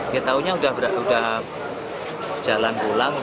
ya tahunya udah berada udah jalan pulang